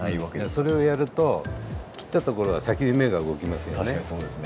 それをやると切った所が先に芽が動きますよね。